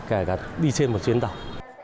kể cả đi trên một chuyến tàu